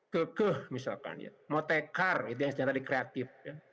kekeh misalkan ya motekar itu yang sebenarnya kreatif